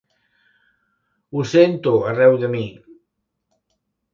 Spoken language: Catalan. Ho sento arreu de mi!